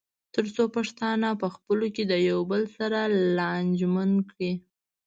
تر څو پښتانه پخپلو کې د یو بل سره لانجمن کړي.